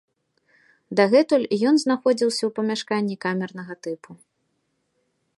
Дагэтуль ён знаходзіўся ў памяшканні камернага тыпу.